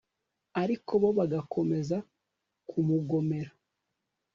ariko bo bagakomeza kumugomera